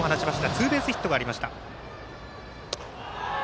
ツーベースヒットがありました。